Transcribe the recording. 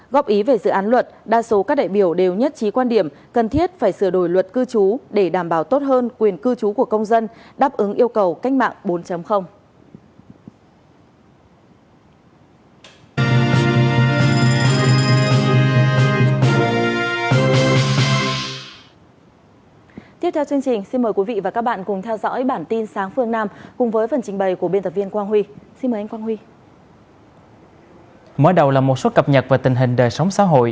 góp ý về dự án luật đa số các đại biểu đều nhất trí quan điểm cần thiết phải sửa đổi luật cư trú để đảm bảo tốt hơn quyền cư trú của công dân đáp ứng yêu cầu cách mạng bốn